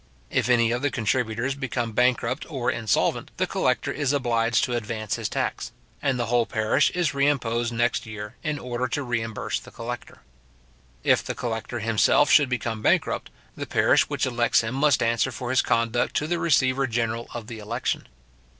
If any of the contributors become bankrupt or insolvent, the collector is obliged to advance his tax; and the whole parish is reimposed next year, in order to reimburse the collector. If the collector himself should become bankrupt, the parish which elects him must answer for his conduct to the receiver general of the election.